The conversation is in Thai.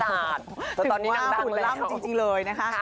ถึงว่าหุ่นล่ำจริงเลยนะคะ